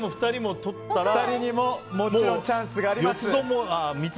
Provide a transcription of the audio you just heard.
２人にももちろんチャンスがあります。